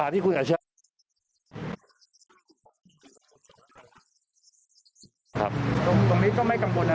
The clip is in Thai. ตรงนี้ก็ไม่กังวลนะ